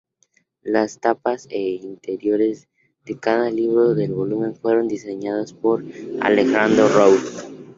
Las tapas e interiores de cada libro del volumen fueron diseñados por Alejandro Ros.